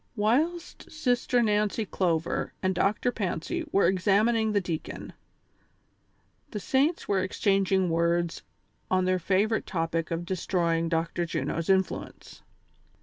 AVhilst Sister Nancy Clover and Dr. Fancy were exam ining the deacon, the saints were exchanging words on tlieir favorite topic of destroying Dr. Juno's influence.